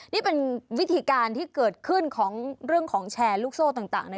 นี่เป็นวิธีการที่เกิดขึ้นของเรื่องของแชร์ลูกโซ่ต่าง